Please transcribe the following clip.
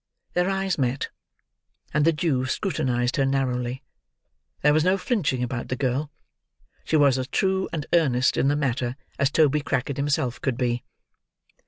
Their eyes met, and the Jew scrutinised her, narrowly. There was no flinching about the girl. She was as true and earnest in the matter as Toby Crackit himself could be.